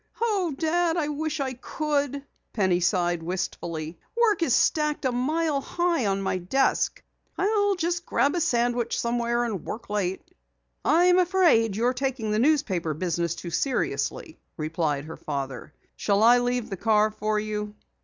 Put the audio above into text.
"Oh, Dad, I wish I could," Penny sighed wistfully. "Work is stacked a mile high on my desk. I'll just grab a sandwich somewhere and work late." "I am afraid you are taking the newspaper business too seriously," replied her father. "Shall I leave the car for you?"